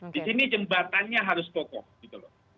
di sini jembatannya harus kokoh gitu loh